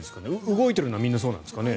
動いてるのはみんなそうなんでしょうかね。